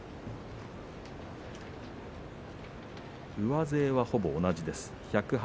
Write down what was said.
上背は、ほぼ同じです。